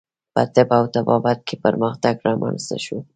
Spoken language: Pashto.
په طب او طبابت کې پرمختګ رامنځته شو.